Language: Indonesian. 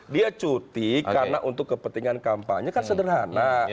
dia cuti karena untuk kepentingan kampanye kan sederhana